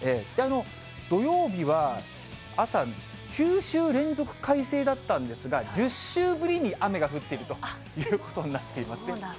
土曜日は、朝、９週連続で快晴だったんですが、１０週ぶりに雨が降っているということになっていますね。